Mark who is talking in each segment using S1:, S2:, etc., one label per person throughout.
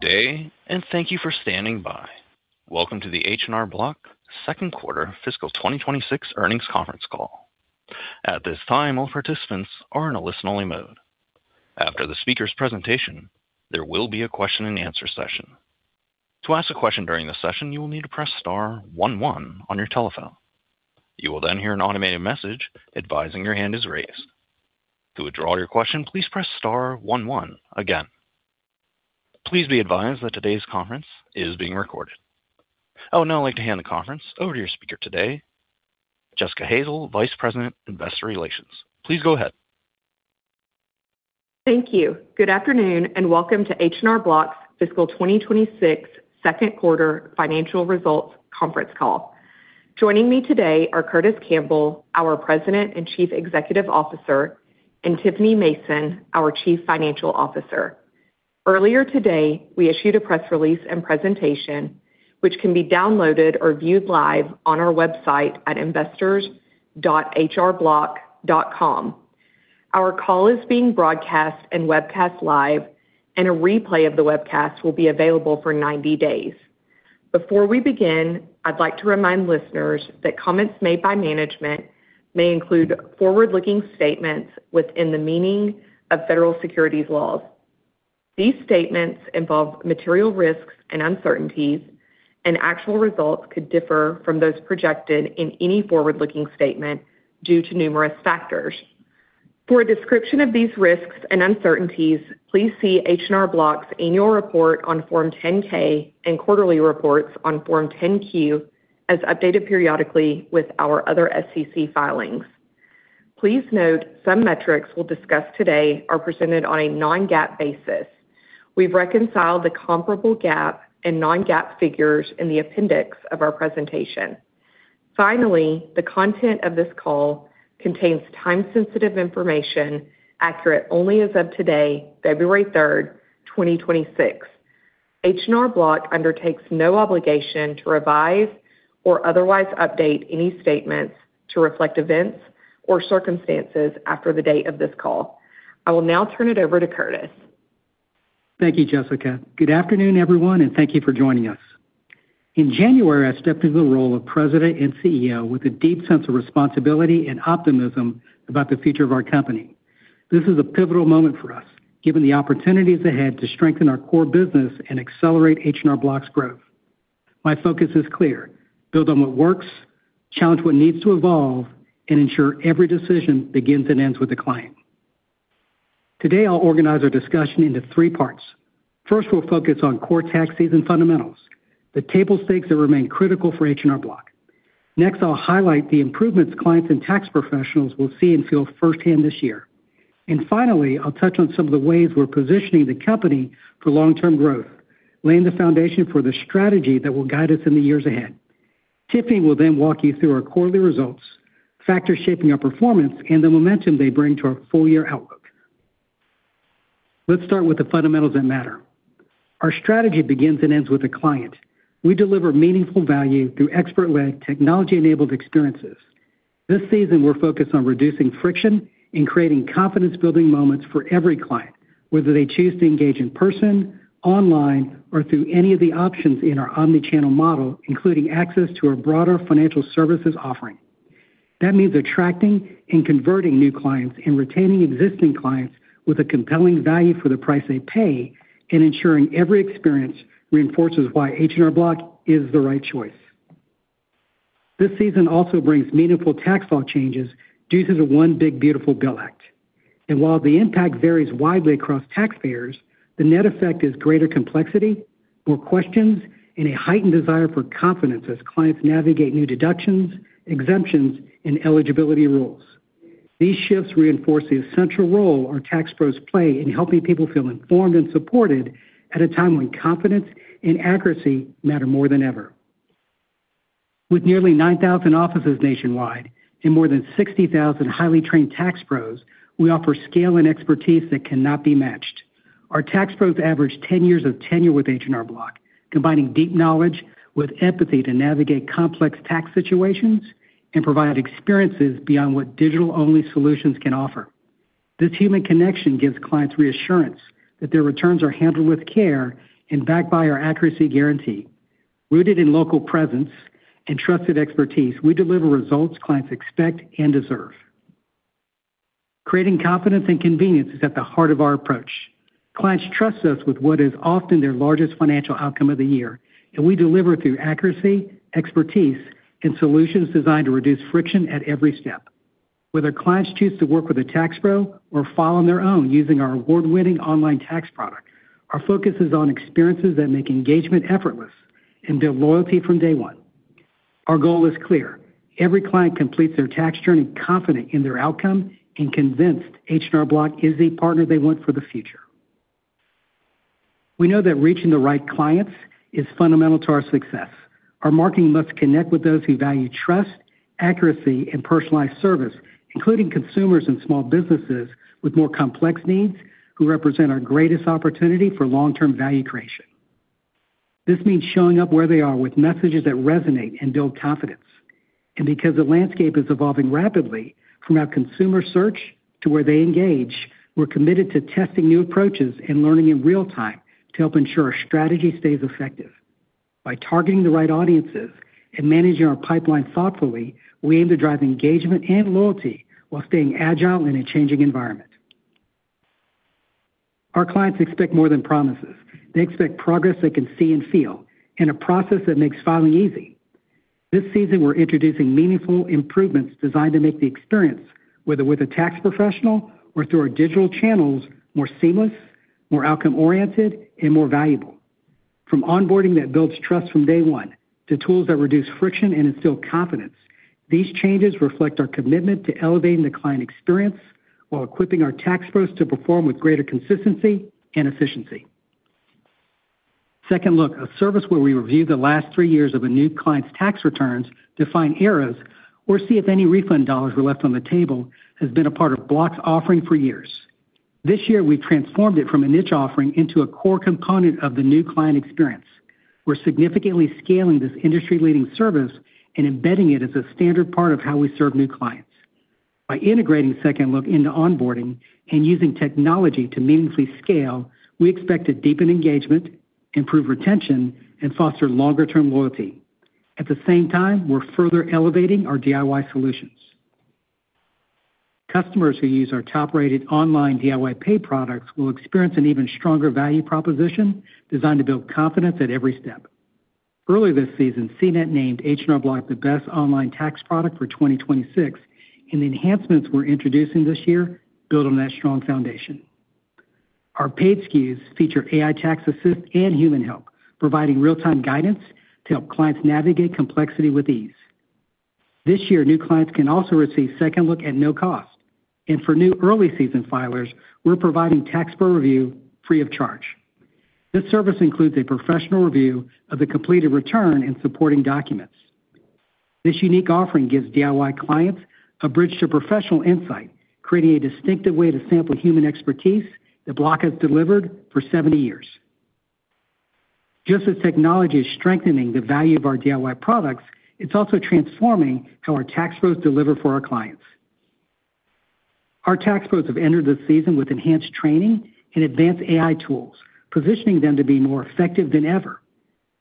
S1: Good day and thank you for standing by. Welcome to the H&R Block Second Quarter Fiscal 2026 Earnings Conference Call. At this time, all participants are in a listen-only mode. After the speaker's presentation, there will be a question-and-answer session. To ask a question during the session, you will need to press star, one, one on your telephone. You will then hear an automated message advising your hand is raised. To withdraw your question, please press star, one, one again. Please be advised that today's conference is being recorded. Oh, and I'd like to hand the conference over to your speaker today, Jessica Hazel, Vice President, Investor Relations. Please go ahead.
S2: Thank you. Good afternoon and welcome to H&R Block's Fiscal 2026 Second Quarter Financial Results Conference Call. Joining me today are Curtis Campbell, our President and Chief Executive Officer, and Tiffany Mason, our Chief Financial Officer. Earlier today, we issued a press release and presentation, which can be downloaded or viewed live on our website at investors.hrblock.com. Our call is being broadcast and webcast live, and a replay of the webcast will be available for 90 days. Before we begin, I'd like to remind listeners that comments made by management may include forward-looking statements within the meaning of federal securities laws. These statements involve material risks and uncertainties, and actual results could differ from those projected in any forward-looking statement due to numerous factors. For a description of these risks and uncertainties, please see H&R Block's annual report on Form 10-K and quarterly reports on Form 10-Q as updated periodically with our other SEC filings. Please note some metrics we'll discuss today are presented on a non-GAAP basis. We've reconciled the comparable GAAP and non-GAAP figures in the appendix of our presentation. Finally, the content of this call contains time-sensitive information accurate only as of today, February 3rd, 2026. H&R Block undertakes no obligation to revise or otherwise update any statements to reflect events or circumstances after the date of this call. I will now turn it over to Curtis.
S3: Thank you, Jessica. Good afternoon, everyone, and thank you for joining us. In January, I stepped into the role of President and CEO with a deep sense of responsibility and optimism about the future of our company. This is a pivotal moment for us, given the opportunities ahead to strengthen our core business and accelerate H&R Block's growth. My focus is clear: build on what works, challenge what needs to evolve, and ensure every decision begins and ends with a client. Today, I'll organize our discussion into three parts. First, we'll focus on core taxes and fundamentals, the table stakes that remain critical for H&R Block. Next, I'll highlight the improvements clients and tax professionals will see and feel firsthand this year. Finally, I'll touch on some of the ways we're positioning the company for long-term growth, laying the foundation for the strategy that will guide us in the years ahead. Tiffany will then walk you through our quarterly results, factors shaping our performance, and the momentum they bring to our full-year outlook. Let's start with the fundamentals that matter. Our strategy begins and ends with a client. We deliver meaningful value through expert-led, technology-enabled experiences. This season, we're focused on reducing friction and creating confidence-building moments for every client, whether they choose to engage in person, online, or through any of the options in our omnichannel model, including access to our broader financial services offering. That means attracting and converting new clients and retaining existing clients with a compelling value for the price they pay, and ensuring every experience reinforces why H&R Block is the right choice. This season also brings meaningful tax law changes due to the One Big Beautiful Bill Act. While the impact varies widely across taxpayers, the net effect is greater complexity, more questions, and a heightened desire for confidence as clients navigate new deductions, exemptions, and eligibility rules. These shifts reinforce the essential role our tax pros play in helping people feel informed and supported at a time when confidence and accuracy matter more than ever. With nearly 9,000 offices nationwide and more than 60,000 highly trained tax pros, we offer scale and expertise that cannot be matched. Our tax pros average 10 years of tenure with H&R Block, combining deep knowledge with empathy to navigate complex tax situations and provide experiences beyond what digital-only solutions can offer. This human connection gives clients reassurance that their returns are handled with care and backed by our accuracy guarantee. Rooted in local presence and trusted expertise, we deliver results clients expect and deserve. Creating confidence and convenience is at the heart of our approach. Clients trust us with what is often their largest financial outcome of the year, and we deliver through accuracy, expertise, and solutions designed to reduce friction at every step. Whether clients choose to work with a tax pro or follow on their own using our award-winning online tax product, our focus is on experiences that make engagement effortless and build loyalty from day one. Our goal is clear: every client completes their tax journey confident in their outcome and convinced H&R Block is the partner they want for the future. We know that reaching the right clients is fundamental to our success. Our marketing must connect with those who value trust, accuracy, and personalized service, including consumers and small businesses with more complex needs who represent our greatest opportunity for long-term value creation. This means showing up where they are with messages that resonate and build confidence. Because the landscape is evolving rapidly, from how consumers search to where they engage, we're committed to testing new approaches and learning in real time to help ensure our strategy stays effective. By targeting the right audiences and managing our pipeline thoughtfully, we aim to drive engagement and loyalty while staying agile in a changing environment. Our clients expect more than promises. They expect progress they can see and feel and a process that makes filing easy. This season, we're introducing meaningful improvements designed to make the experience, whether with a tax professional or through our digital channels, more seamless, more outcome-oriented, and more valuable. From onboarding that builds trust from day one to tools that reduce friction and instill confidence, these changes reflect our commitment to elevating the client experience while equipping our tax pros to perform with greater consistency and efficiency. Second Look, a service where we review the last three years of a new client's tax returns, define errors, or see if any refund dollars were left on the table, has been a part of Block's offering for years. This year, we've transformed it from a niche offering into a core component of the new client experience. We're significantly scaling this industry-leading service and embedding it as a standard part of how we serve new clients. By integrating Second Look into onboarding and using technology to meaningfully scale, we expect to deepen engagement, improve retention, and foster longer-term loyalty. At the same time, we're further elevating our DIY solutions. Customers who use our top-rated online DIY paid products will experience an even stronger value proposition designed to build confidence at every step. Earlier this season, CNET named H&R Block the best online tax product for 2026, and the enhancements we're introducing this year build on that strong foundation. Our paid SKUs feature AI Tax Assist and human help, providing real-time guidance to help clients navigate complexity with ease. This year, new clients can also receive Second Look at no cost, and for new early-season filers, we're providing Tax Pro Review free of charge. This service includes a professional review of the completed return and supporting documents. This unique offering gives DIY clients a bridge to professional insight, creating a distinctive way to sample human expertise that Block has delivered for 70 years. Just as technology is strengthening the value of our DIY products, it's also transforming how our tax pros deliver for our clients. Our tax pros have entered the season with enhanced training and advanced AI tools, positioning them to be more effective than ever.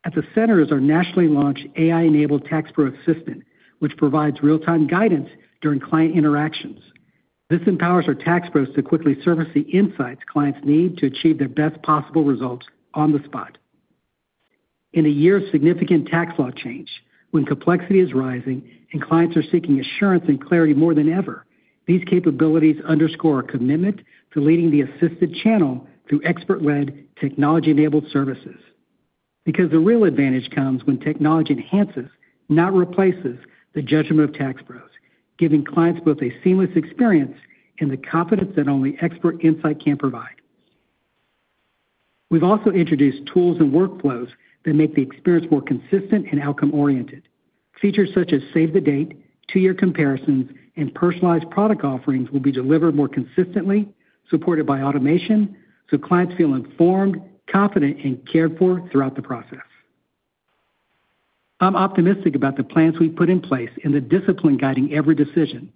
S3: At the center is our nationally launched AI-enabled tax pro assistant, which provides real-time guidance during client interactions. This empowers our tax pros to quickly surface the insights clients need to achieve their best possible results on the spot. In a year of significant tax law change, when complexity is rising and clients are seeking assurance and clarity more than ever, these capabilities underscore our commitment to leading the assisted channel through expert-led, technology-enabled services. Because the real advantage comes when technology enhances, not replaces, the judgment of tax pros, giving clients both a seamless experience and the confidence that only expert insight can provide. We've also introduced tools and workflows that make the experience more consistent and outcome-oriented. Features such as save-the-date, two-year comparisons, and personalized product offerings will be delivered more consistently, supported by automation, so clients feel informed, confident, and cared for throughout the process. I'm optimistic about the plans we've put in place and the discipline guiding every decision.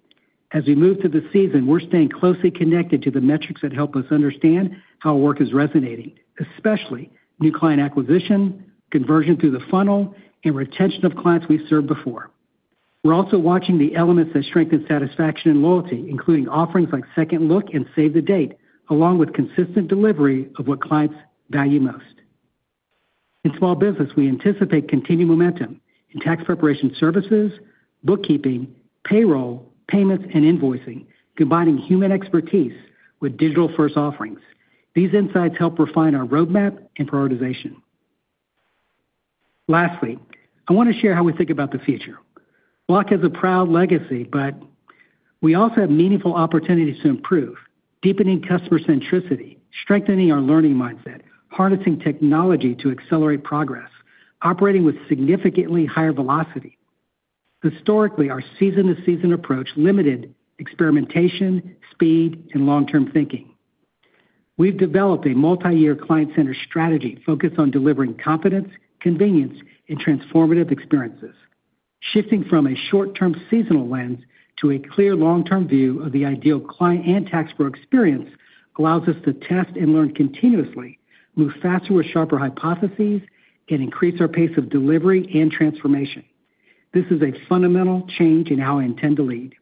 S3: As we move through the season, we're staying closely connected to the metrics that help us understand how our work is resonating, especially new client acquisition, conversion through the funnel, and retention of clients we've served before. We're also watching the elements that strengthen satisfaction and loyalty, including offerings like Second Look and save-the-date, along with consistent delivery of what clients value most. In small business, we anticipate continued momentum in tax preparation services, bookkeeping, payroll, payments, and invoicing, combining human expertise with digital-first offerings. These insights help refine our roadmap and prioritization. Lastly, I want to share how we think about the future. Block has a proud legacy, but we also have meaningful opportunities to improve, deepening customer centricity, strengthening our learning mindset, harnessing technology to accelerate progress, operating with significantly higher velocity. Historically, our season-to-season approach limited experimentation, speed, and long-term thinking. We've developed a multi-year client-centered strategy focused on delivering confidence, convenience, and transformative experiences. Shifting from a short-term seasonal lens to a clear long-term view of the ideal client and tax pro experience allows us to test and learn continuously, move faster with sharper hypotheses, and increase our pace of delivery and transformation. This is a fundamental change in how I intend to lead.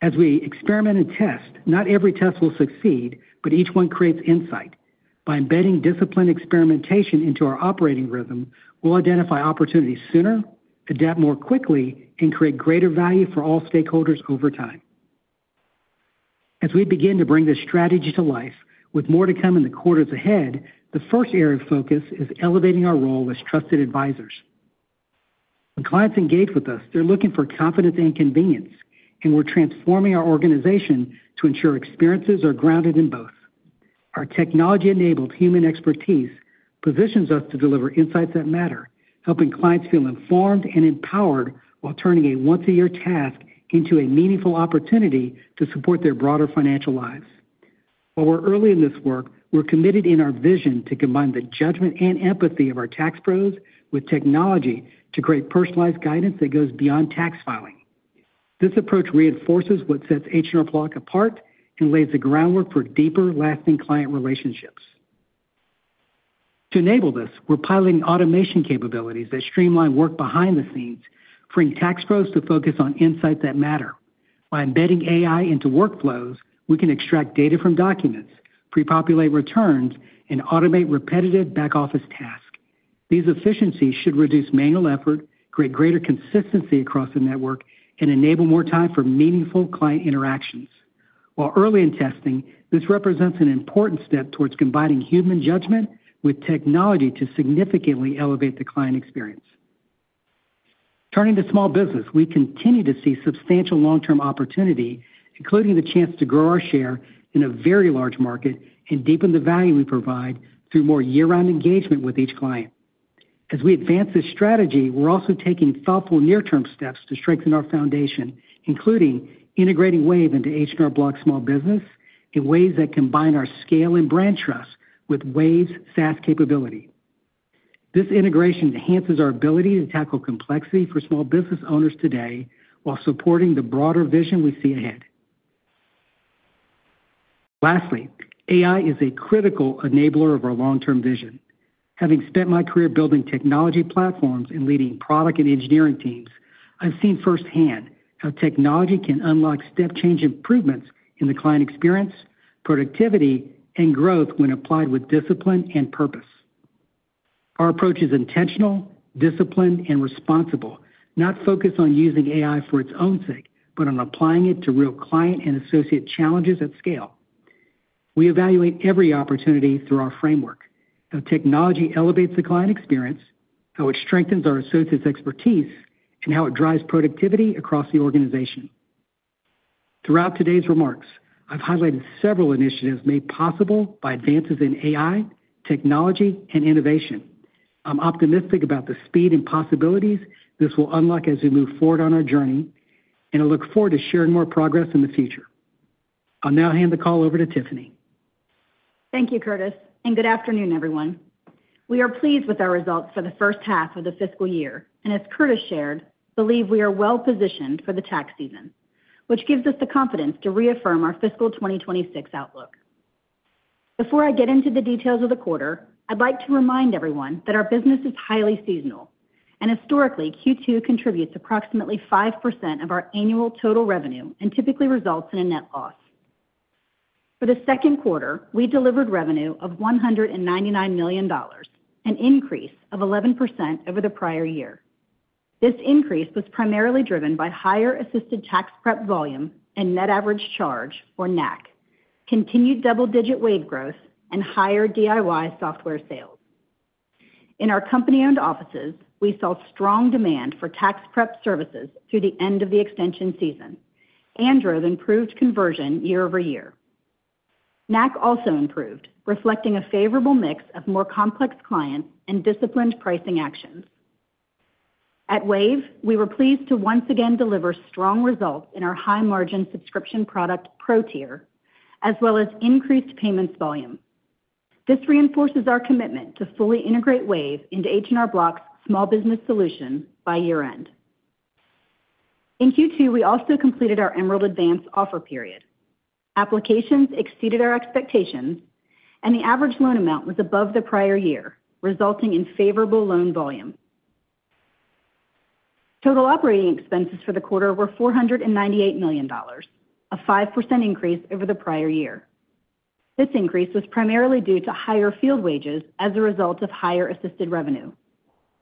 S3: As we experiment and test, not every test will succeed, but each one creates insight. By embedding disciplined experimentation into our operating rhythm, we'll identify opportunities sooner, adapt more quickly, and create greater value for all stakeholders over time. As we begin to bring this strategy to life, with more to come in the quarters ahead, the first area of focus is elevating our role as trusted advisors. When clients engage with us, they're looking for confidence and convenience, and we're transforming our organization to ensure experiences are grounded in both. Our technology-enabled human expertise positions us to deliver insights that matter, helping clients feel informed and empowered while turning a once-a-year task into a meaningful opportunity to support their broader financial lives. While we're early in this work, we're committed in our vision to combine the judgment and empathy of our tax pros with technology to create personalized guidance that goes beyond tax filing. This approach reinforces what sets H&R Block apart and lays the groundwork for deeper, lasting client relationships. To enable this, we're piloting automation capabilities that streamline work behind the scenes, freeing tax pros to focus on insights that matter. By embedding AI into workflows, we can extract data from documents, prepopulate returns, and automate repetitive back-office tasks. These efficiencies should reduce manual effort, create greater consistency across the network, and enable more time for meaningful client interactions. While early in testing, this represents an important step towards combining human judgment with technology to significantly elevate the client experience. Turning to small business, we continue to see substantial long-term opportunity, including the chance to grow our share in a very large market and deepen the value we provide through more year-round engagement with each client. As we advance this strategy, we're also taking thoughtful near-term steps to strengthen our foundation, including integrating Wave into H&R Block small business in ways that combine our scale and brand trust with Wave's SaaS capability. This integration enhances our ability to tackle complexity for small business owners today while supporting the broader vision we see ahead. Lastly, AI is a critical enabler of our long-term vision. Having spent my career building technology platforms and leading product and engineering teams, I've seen firsthand how technology can unlock step-change improvements in the client experience, productivity, and growth when applied with discipline and purpose. Our approach is intentional, disciplined, and responsible, not focused on using AI for its own sake, but on applying it to real client and associate challenges at scale. We evaluate every opportunity through our framework: how technology elevates the client experience, how it strengthens our associates' expertise, and how it drives productivity across the organization. Throughout today's remarks, I've highlighted several initiatives made possible by advances in AI, technology, and innovation. I'm optimistic about the speed and possibilities this will unlock as we move forward on our journey, and I look forward to sharing more progress in the future. I'll now hand the call over to Tiffany.
S4: Thank you, Curtis, and good afternoon, everyone. We are pleased with our results for the first half of the fiscal year and as Curtis shared, believe we are well-positioned for the tax season, which gives us the confidence to reaffirm our fiscal 2026 outlook. Before I get into the details of the quarter, I'd like to remind everyone that our business is highly seasonal, and historically, Q2 contributes approximately 5% of our annual total revenue and typically results in a net loss. For the second quarter, we delivered revenue of $199 million, an increase of 11% over the prior year. This increase was primarily driven by higher assisted tax prep volume and net average charge, or NAC, continued double-digit Wave growth, and higher DIY software sales. In our company-owned offices, we saw strong demand for tax prep services through the end of the extension season and drove improved conversion year-over-year. NAC also improved, reflecting a favorable mix of more complex clients and disciplined pricing actions. At Wave, we were pleased to once again deliver strong results in our high-margin subscription product Pro Tier, as well as increased payments volume. This reinforces our commitment to fully integrate Wave into H&R Block's small business solution by year-end. In Q2, we also completed our Emerald Advance offer period. Applications exceeded our expectations, and the average loan amount was above the prior year, resulting in favorable loan volume. Total operating expenses for the quarter were $498 million, a 5% increase over the prior year. This increase was primarily due to higher field wages as a result of higher assisted revenue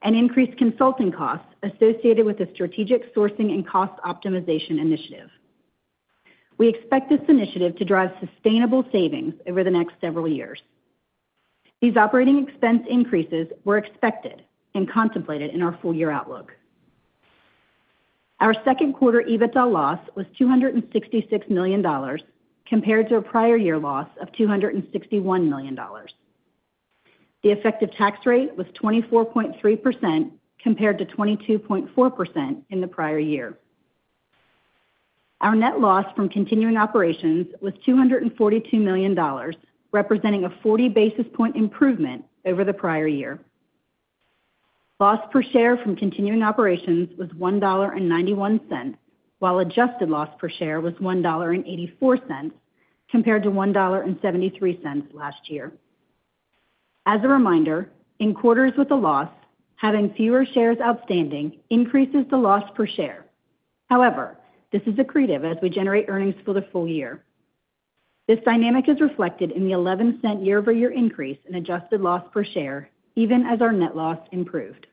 S4: and increased consulting costs associated with the Strategic Sourcing and Cost Optimization Initiative. We expect this initiative to drive sustainable savings over the next several years. These operating expense increases were expected and contemplated in our full-year outlook. Our second-quarter EBITDA loss was $266 million compared to a prior year loss of $261 million. The effective tax rate was 24.3% compared to 22.4% in the prior year. Our net loss from continuing operations was $242 million, representing a 40 basis point improvement over the prior year. Loss per share from continuing operations was $1.91, while adjusted loss per share was $1.84 compared to $1.73 last year. As a reminder, in quarters with a loss, having fewer shares outstanding increases the loss per share. However, this is accretive as we generate earnings for the full year. This dynamic is reflected in the $0.11 year-over-year increase in adjusted loss per share, even as our net loss improved.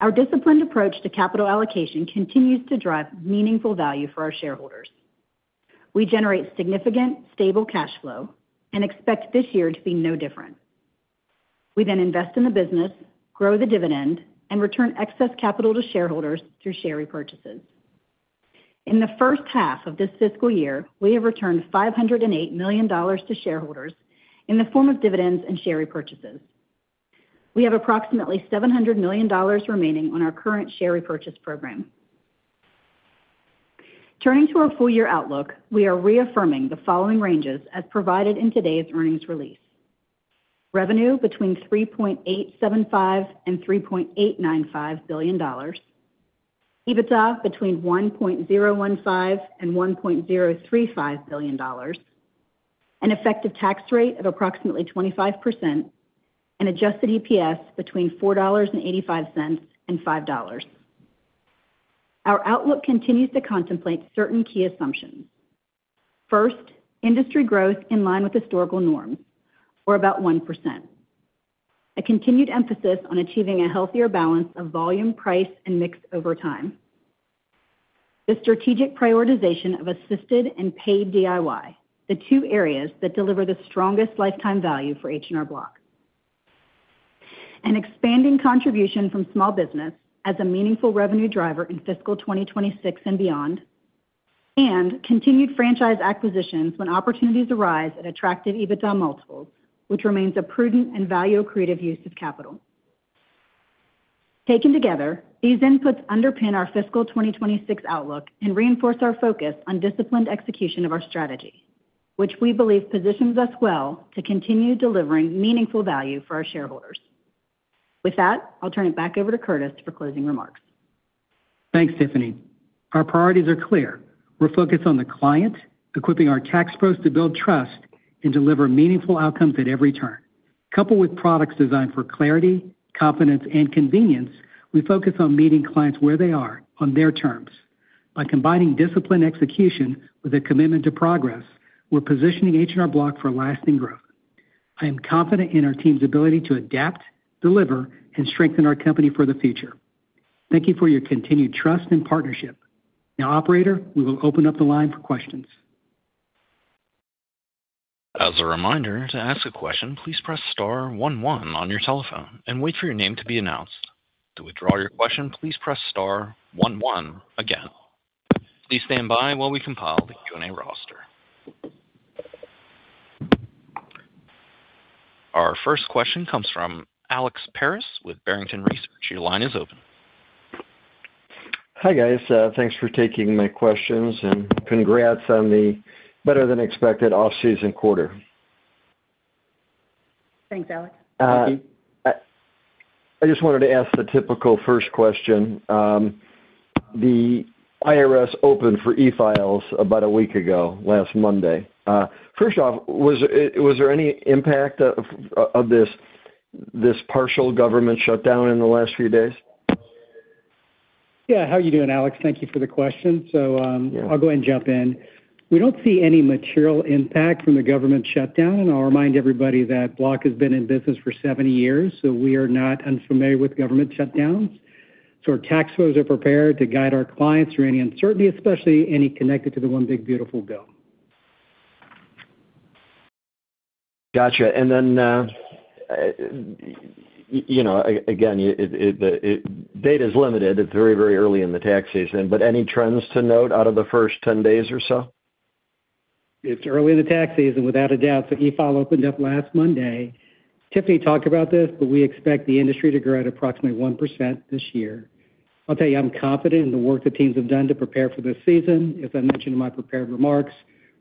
S4: Our disciplined approach to capital allocation continues to drive meaningful value for our shareholders. We generate significant, stable cash flow and expect this year to be no different. We then invest in the business, grow the dividend, and return excess capital to shareholders through share repurchases. In the first half of this fiscal year, we have returned $508 million to shareholders in the form of dividends and share repurchases. We have approximately $700 million remaining on our current share repurchase program. Turning to our full-year outlook, we are reaffirming the following ranges as provided in today's earnings release: revenue between $3.875 billion and $3.895 billion, EBITDA between $1.015 billion and $1.035 billion, an effective tax rate of approximately 25%, and adjusted EPS between $4.85 and $5.00. Our outlook continues to contemplate certain key assumptions. First, industry growth in line with historical norms, or about 1%. A continued emphasis on achieving a healthier balance of volume, price, and mix over time. The strategic prioritization of assisted and paid DIY, the two areas that deliver the strongest lifetime value for H&R Block. An expanding contribution from small business as a meaningful revenue driver in fiscal 2026 and beyond. And continued franchise acquisitions when opportunities arise at attractive EBITDA multiples, which remains a prudent and value accretive use of capital. Taken together, these inputs underpin our fiscal 2026 outlook and reinforce our focus on disciplined execution of our strategy, which we believe positions us well to continue delivering meaningful value for our shareholders. With that, I'll turn it back over to Curtis for closing remarks.
S3: Thanks, Tiffany. Our priorities are clear. We're focused on the client, equipping our tax pros to build trust and deliver meaningful outcomes at every turn. Coupled with products designed for clarity, confidence, and convenience, we focus on meeting clients where they are, on their terms. By combining disciplined execution with a commitment to progress, we're positioning H&R Block for lasting growth. I am confident in our team's ability to adapt, deliver, and strengthen our company for the future. Thank you for your continued trust and partnership. Now, operator, we will open up the line for questions.
S1: As a reminder, to ask a question, please press star, one, one on your telephone and wait for your name to be announced. To withdraw your question, please press star, one, one again. Please stand by while we compile the Q&A roster. Our first question comes from Alex Paris with Barrington Research. Your line is open.
S5: Hi, guys. Thanks for taking my questions and congrats on the better-than-expected off-season quarter.
S2: Thanks, Alex. Thank you.
S5: I just wanted to ask the typical first question. The IRS opened for e-files about a week ago, last Monday. First off, was there any impact of this partial government shutdown in the last few days?
S3: Yeah. How are you doing, Alex? Thank you for the question. So I'll go ahead and jump in. We don't see any material impact from the government shutdown, and I'll remind everybody that Block has been in business for 70 years, so we are not unfamiliar with government shutdowns. So our tax pros are prepared to guide our clients through any uncertainty, especially any connected to the One Big Beautiful Bill.
S5: Gotcha. And then again, data is limited. It's very, very early in the tax season. But any trends to note out of the first 10 days or so?
S3: It's early in the tax season, without a doubt. So e-file opened up last Monday. Tiffany talked about this, but we expect the industry to grow at approximately 1% this year. I'll tell you, I'm confident in the work the teams have done to prepare for this season. As I mentioned in my prepared remarks,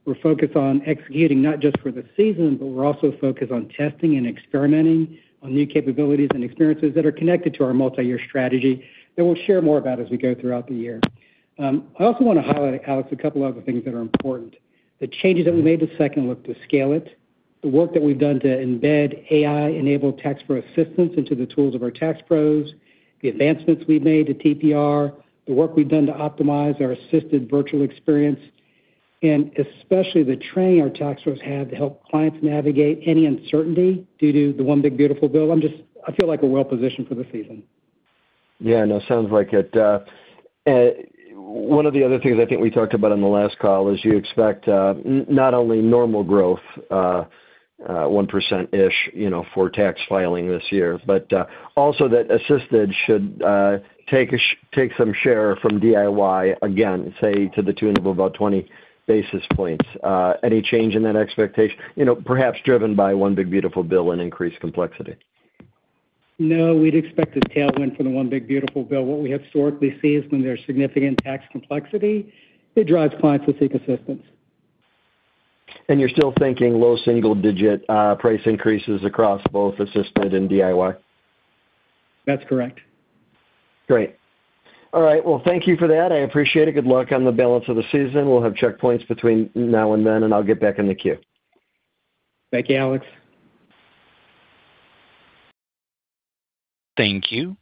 S3: we're focused on executing not just for the season, but we're also focused on testing and experimenting on new capabilities and experiences that are connected to our multi-year strategy that we'll share more about as we go throughout the year. I also want to highlight, Alex, a couple of other things that are important. The changes that we made to Second Look to scale it, the work that we've done to embed AI-enabled tax pro assistance into the tools of our tax pros, the advancements we've made to TPR, the work we've done to optimize our assisted virtual experience, and especially the training our tax pros have to help clients navigate any uncertainty due to the One Big Beautiful Bill. I feel like we're well-positioned for the season.
S5: Yeah. No, sounds like it. One of the other things I think we talked about on the last call is you expect not only normal growth, 1%-ish for tax filing this year, but also that assisted should take some share from DIY again, say, to the tune of about 20 basis points. Any change in that expectation, perhaps driven by One Big Beautiful Bill and increased complexity?
S3: No, we'd expect a tailwind from the One Big Beautiful Bill. What we historically see is when there's significant tax complexity, it drives clients to seek assistance.
S5: You're still thinking low single-digit price increases across both assisted and DIY?
S3: That's correct.
S5: Great. All right. Well, thank you for that. I appreciate it. Good luck on the balance of the season. We'll have checkpoints between now and then, and I'll get back in the queue.
S3: Thank you, Alex.
S1: Thank you.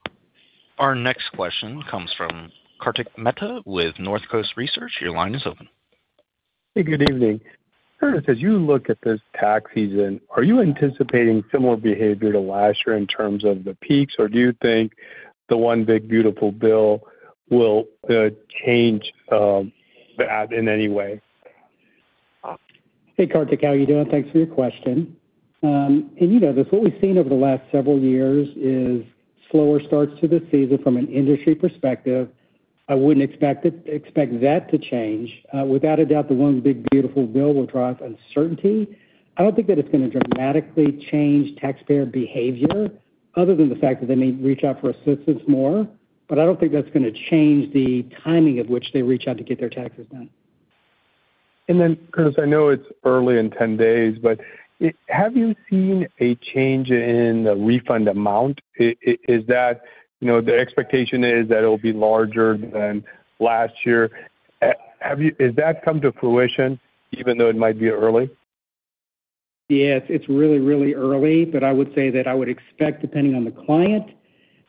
S1: Our next question comes from Kartik Mehta with North Coast Research. Your line is open.
S6: Hey, good evening. Curtis, as you look at this tax season, are you anticipating similar behavior to last year in terms of the peaks, or do you think the One Big Beautiful Bill will change that in any way?
S3: Hey, Kartik, how are you doing? Thanks for your question. What we've seen over the last several years is slower starts to the season from an industry perspective. I wouldn't expect that to change. Without a doubt, the One Big Beautiful Bill will drive uncertainty. I don't think that it's going to dramatically change taxpayer behavior other than the fact that they may reach out for assistance more, but I don't think that's going to change the timing of which they reach out to get their taxes done.
S6: And then, Curtis, I know it's early in 10 days, but have you seen a change in the refund amount? Is that the expectation is that it'll be larger than last year? Has that come to fruition even though it might be early?
S3: Yeah, it's really, really early, but I would say that I would expect, depending on the client,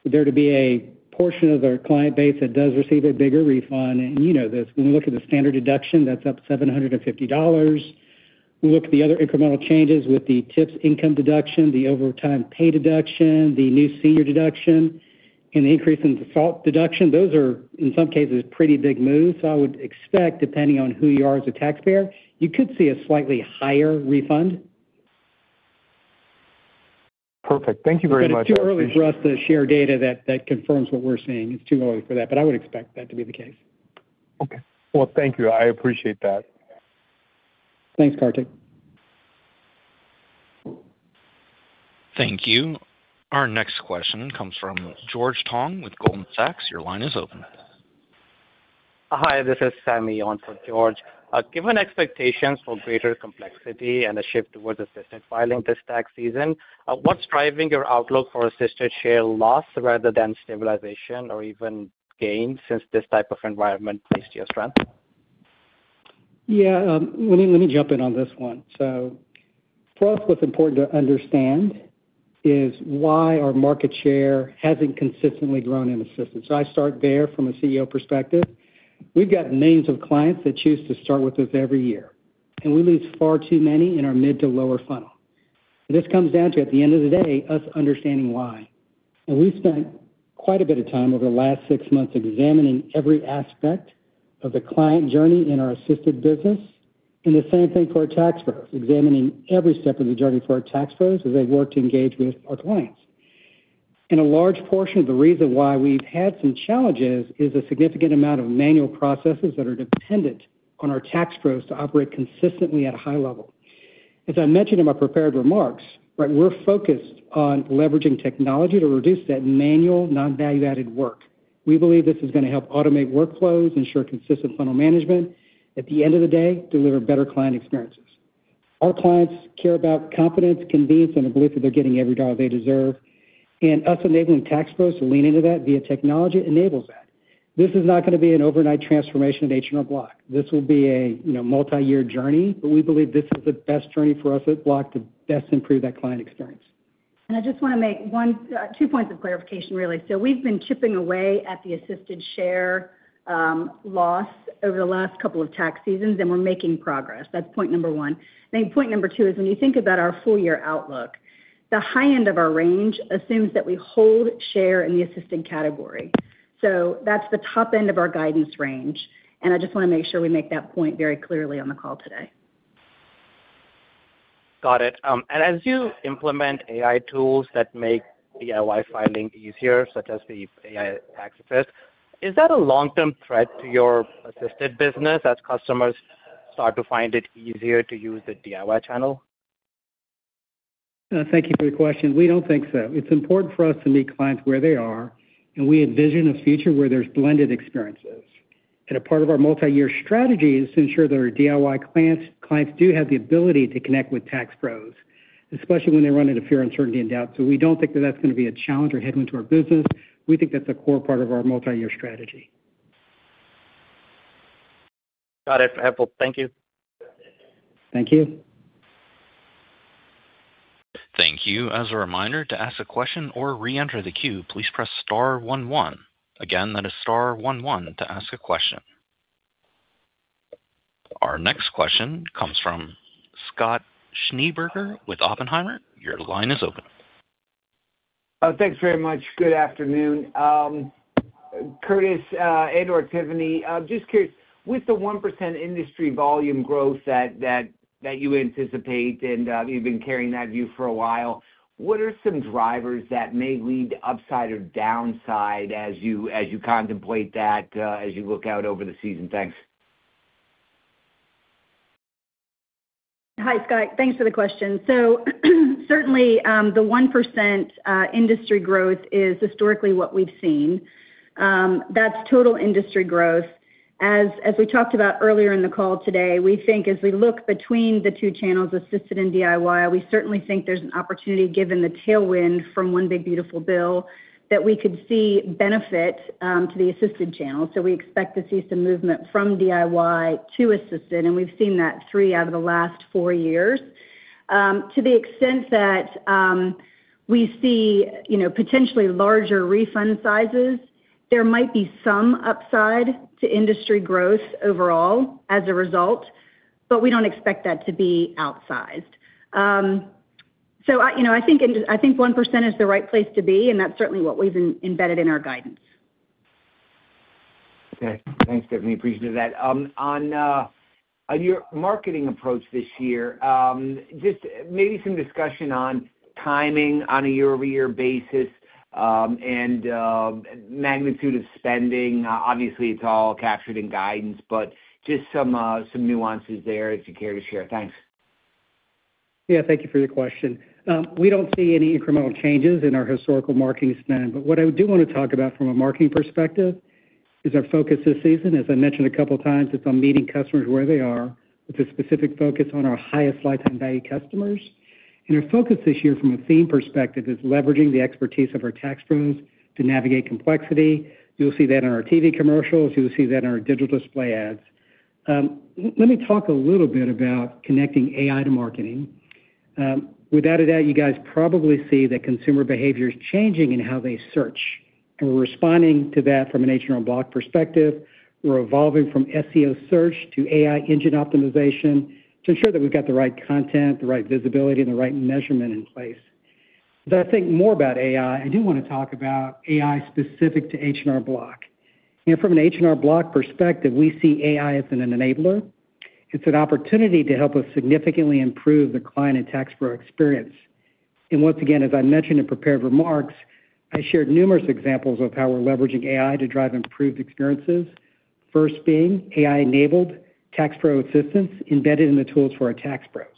S3: there to be a portion of their client base that does receive a bigger refund. When we look at the standard deduction, that's up $750. We look at the other incremental changes with the tips income deduction, the overtime pay deduction, the new senior deduction, and the increase in the SALT deduction, those are, in some cases, pretty big moves. I would expect, depending on who you are as a taxpayer, you could see a slightly higher refund.
S6: Perfect. Thank you very much.
S3: It's too early for us to share data that confirms what we're seeing. It's too early for that, but I would expect that to be the case.
S6: Okay. Well, thank you. I appreciate that.
S3: Thanks, Kartik.
S1: Thank you. Our next question comes from George Tong with Goldman Sachs. Your line is open.
S7: Hi. This is Sammy Yon for George. Given expectations for greater complexity and a shift towards assisted filing this tax season, what's driving your outlook for assisted share loss rather than stabilization or even gains since this type of environment has shared strength?
S3: Yeah. Let me jump in on this one. So for us, what's important to understand is why our market share hasn't consistently grown in assisted. So I start there from a CEO perspective. We've got millions of clients that choose to start with us every year, and we lose far too many in our mid to lower funnel. This comes down to, at the end of the day, us understanding why. And we've spent quite a bit of time over the last six months examining every aspect of the client journey in our assisted business. And the same thing for our tax pros, examining every step of the journey for our tax pros as they work to engage with our clients. A large portion of the reason why we've had some challenges is a significant amount of manual processes that are dependent on our tax pros to operate consistently at a high level. As I mentioned in my prepared remarks, we're focused on leveraging technology to reduce that manual, non-value-added work. We believe this is going to help automate workflows, ensure consistent funnel management, and, at the end of the day, deliver better client experiences. Our clients care about confidence, convenience, and the belief that they're getting every dollar they deserve. And us enabling tax pros to lean into that via technology enables that. This is not going to be an overnight transformation at H&R Block. This will be a multi-year journey, but we believe this is the best journey for us at Block to best improve that client experience.
S4: I just want to make two points of clarification, really. We've been chipping away at the assisted share loss over the last couple of tax seasons, and we're making progress. That's point number one. I think point number two is when you think about our full-year outlook, the high end of our range assumes that we hold share in the assisted category. That's the top end of our guidance range. I just want to make sure we make that point very clearly on the call today.
S7: Got it. And as you implement AI tools that make DIY filing easier, such as the AI Tax Assist, is that a long-term threat to your assisted business as customers start to find it easier to use the DIY channel?
S3: Thank you for the question. We don't think so. It's important for us to meet clients where they are, and we envision a future where there's blended experiences. A part of our multi-year strategy is to ensure that our DIY clients do have the ability to connect with tax pros, especially when they run into fear, uncertainty, and doubt. We don't think that that's going to be a challenge or headwind to our business. We think that's a core part of our multi-year strategy.
S7: Got it. Helpful. Thank you.
S3: Thank you.
S1: Thank you. As a reminder, to ask a question or reenter the queue, please press star, one, one. Again, that is star 11 to ask a question. Our next question comes from Scott Schneeberger with Oppenheimer. Your line is open.
S8: Thanks very much. Good afternoon. Curtis and/or Tiffany, just curious, with the 1% industry volume growth that you anticipate and you've been carrying that view for a while, what are some drivers that may lead to upside or downside as you contemplate that, as you look out over the season? Thanks.
S4: Hi, Scott. Thanks for the question. So certainly, the 1% industry growth is historically what we've seen. That's total industry growth. As we talked about earlier in the call today, we think as we look between the two channels, assisted and DIY, we certainly think there's an opportunity, given the tailwind from One Big Beautiful Bill, that we could see benefit to the assisted channel. So we expect to see some movement from DIY to assisted, and we've seen that three out of the last four years. To the extent that we see potentially larger refund sizes, there might be some upside to industry growth overall as a result, but we don't expect that to be outsized. So I think 1% is the right place to be, and that's certainly what we've embedded in our guidance.
S8: Okay. Thanks, Tiffany. Appreciate that. On your marketing approach this year, just maybe some discussion on timing on a year-over-year basis and magnitude of spending. Obviously, it's all captured in guidance, but just some nuances there if you care to share. Thanks.
S3: Yeah. Thank you for your question. We don't see any incremental changes in our historical marketing spend, but what I do want to talk about from a marketing perspective is our focus this season. As I mentioned a couple of times, it's on meeting customers where they are with a specific focus on our highest lifetime value customers. Our focus this year from a theme perspective is leveraging the expertise of our tax pros to navigate complexity. You'll see that in our TV commercials. You'll see that in our digital display ads. Let me talk a little bit about connecting AI to marketing. Without a doubt, you guys probably see that consumer behavior is changing in how they search. We're responding to that from an H&R Block perspective. We're evolving from SEO search to AI engine optimization to ensure that we've got the right content, the right visibility, and the right measurement in place. But I think more about AI, I do want to talk about AI specific to H&R Block. From an H&R Block perspective, we see AI as an enabler. It's an opportunity to help us significantly improve the client and tax pro experience. And once again, as I mentioned in prepared remarks, I shared numerous examples of how we're leveraging AI to drive improved experiences, first being AI-enabled tax pro assistance embedded in the tools for our tax pros.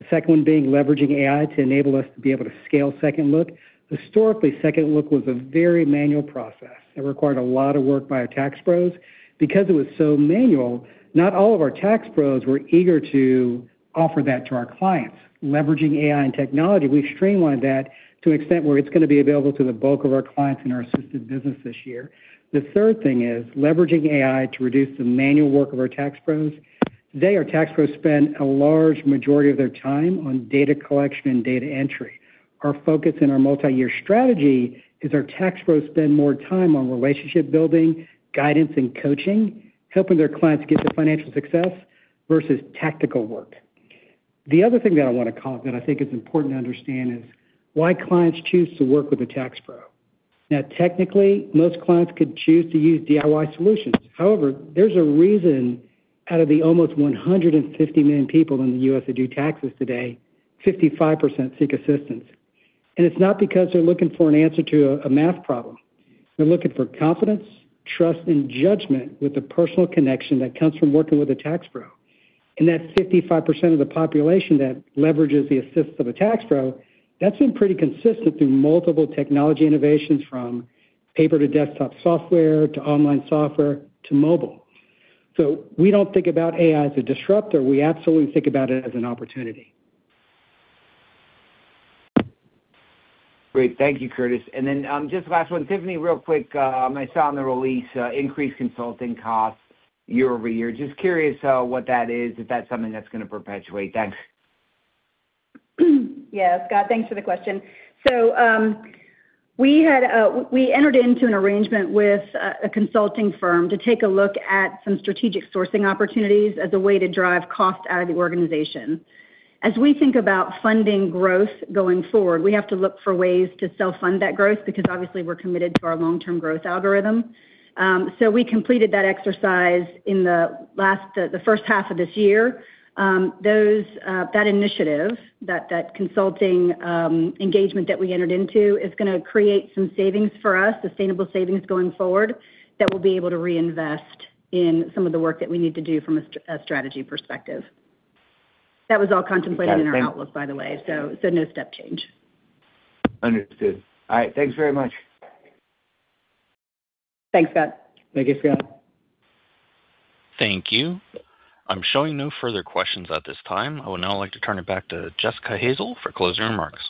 S3: The second one being leveraging AI to enable us to be able to scale Second Look. Historically, Second Look was a very manual process that required a lot of work by our tax pros. Because it was so manual, not all of our tax pros were eager to offer that to our clients. Leveraging AI and technology, we've streamlined that to an extent where it's going to be available to the bulk of our clients in our assisted business this year. The third thing is leveraging AI to reduce the manual work of our tax pros. Today, our tax pros spend a large majority of their time on data collection and data entry. Our focus in our multi-year strategy is our tax pros spend more time on relationship building, guidance, and coaching, helping their clients get to financial success versus tactical work. The other thing that I want to call that I think is important to understand is why clients choose to work with a tax pro. Now, technically, most clients could choose to use DIY solutions. However, there's a reason out of the almost 150 million people in the U.S. that do taxes today, 55% seek assistance. It's not because they're looking for an answer to a math problem. They're looking for confidence, trust, and judgment with a personal connection that comes from working with a tax pro. That 55% of the population that leverages the assistance of a tax pro, that's been pretty consistent through multiple technology innovations from paper to desktop software to online software to mobile. So we don't think about AI as a disruptor. We absolutely think about it as an opportunity.
S8: Great. Thank you, Curtis. And then just last one, Tiffany, real quick, I saw in the release increased consulting costs year-over-year. Just curious what that is, if that's something that's going to perpetuate. Thanks.
S4: Yeah, Scott. Thanks for the question. So we entered into an arrangement with a consulting firm to take a look at some strategic sourcing opportunities as a way to drive cost out of the organization. As we think about funding growth going forward, we have to look for ways to self-fund that growth because, obviously, we're committed to our long-term growth algorithm. So we completed that exercise in the first half of this year. That initiative, that consulting engagement that we entered into, is going to create some savings for us, sustainable savings going forward that we'll be able to reinvest in some of the work that we need to do from a strategy perspective. That was all contemplated in our outlook, by the way, so no step change.
S8: Understood. All right. Thanks very much.
S4: Thanks, Scott.
S3: Thank you, Scott.
S1: Thank you. I'm showing no further questions at this time. I would now like to turn it back to Jessica Hazel for closing remarks.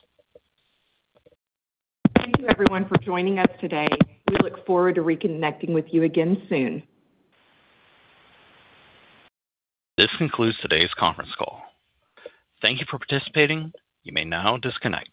S2: Thank you, everyone, for joining us today. We look forward to reconnecting with you again soon.
S1: This concludes today's conference call. Thank you for participating. You may now disconnect.